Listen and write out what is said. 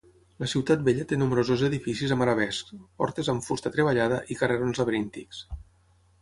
La ciutat vella té nombrosos edificis amb arabescs, portes amb fusta treballada, i carrerons laberíntics.